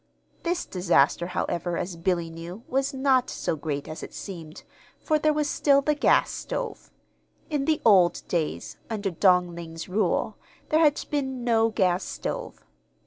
This disaster, however, as Billy knew, was not so great as it seemed, for there was still the gas stove. In the old days, under Dong Ling's rule, there had been no gas stove.